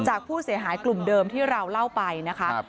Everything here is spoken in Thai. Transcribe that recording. จากผู้เสียหายกลุ่มเดิมที่เราเล่าไปนะคะ